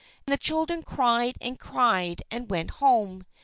The children cried and cried, and went home.